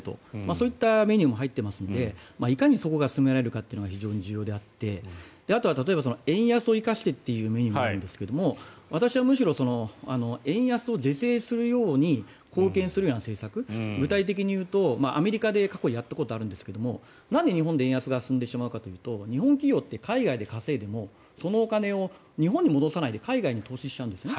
そういったメニューも入っていますのでいかにそこが進められるかというのが非常に重要であってあとは例えば円安を生かしてというのもあるんですが私はむしろ円安を是正するように貢献するような政策具体的に言うと、アメリカで過去にやったことがあるんですがなんで日本で円安が進んでしまうかというと日本企業って海外で稼いでもそのお金を日本に戻さないで海外に投資しちゃうんですね。